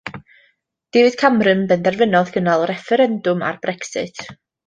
David Cameron benderfynodd gynnal refferendwm ar Brexit.